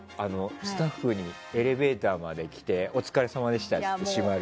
スタッフがエレベーターまで来てお疲れさまでしたって言って閉まる。